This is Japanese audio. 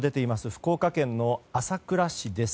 福岡県の朝倉市です。